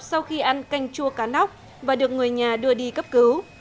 sau khi ăn canh chua cá nóc và được người nhà đưa đi cấp cứu